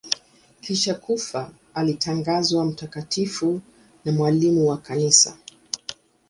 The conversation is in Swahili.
Kisha kufa alitangazwa mtakatifu na mwalimu wa Kanisa.